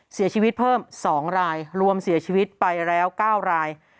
เสียชีวิตเพิ่ม๒รายรวมเสียชีวิตไปแล้ว๙ราย